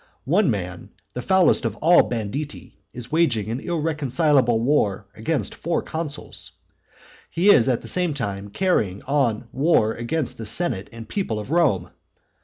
One man, the foulest of all banditti, is waging an irreconcileable war against four consuls. He is at the same time carrying on war against the senate and people of Rome.